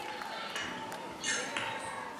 Igandean, eguzkia berandu, baina helduko da.